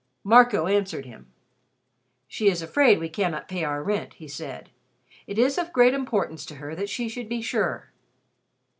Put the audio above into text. Marco answered him. "She is afraid we cannot pay our rent," he said. "It is of great importance to her that she should be sure."